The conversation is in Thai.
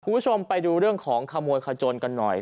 คุณผู้ชมไปดูเรื่องของขโมยขจนกันหน่อย